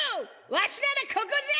わしならここじゃ。